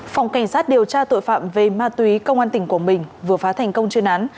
phòng cảnh sát điều tra tội phạm về ma túy công an tỉnh quảng bình vừa phá thành công chuyên án